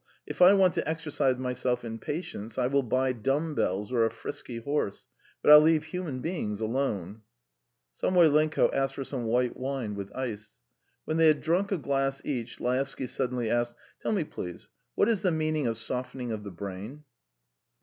If I want to exercise myself in patience, I will buy dumb bells or a frisky horse, but I'll leave human beings alone." Samoylenko asked for some white wine with ice. When they had drunk a glass each, Laevsky suddenly asked: "Tell me, please, what is the meaning of softening of the brain?"